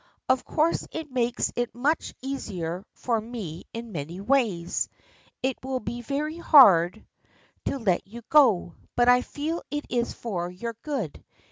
Of course it makes it much easier for me in many ways. It will be very hard to let you go, but I feel it is for your good.